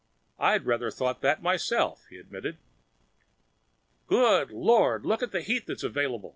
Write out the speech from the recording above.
"I'd rather thought that myself," he admitted. "Good Lord, look at the heat that's available!"